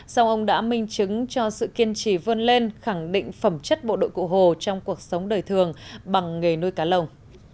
sau ông đã minh chứng cho sự kiên trì vươn lên khẳng định phẩm chất bộ đội cụ hồ trong cuộc sống đời thường bằng nghề nuôi cá lồng